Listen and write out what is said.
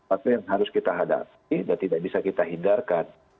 apa yang harus kita hadapi dan tidak bisa kita hindarkan